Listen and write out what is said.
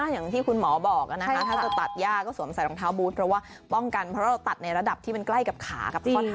หกหมึกใส่ปุ้งกันดีค่ะ